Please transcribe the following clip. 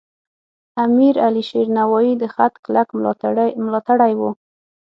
امیر علیشیر نوایی د خط کلک ملاتړی و.